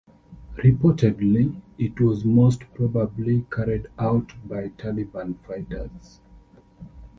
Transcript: Reportedly, it was most probably carried out by Taliban fighters.